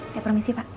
saya permisi pak